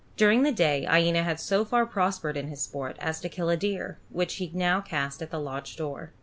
During the day Iena had so far prospered in his sport as to kill a deer, which he now cast down at the lodge door.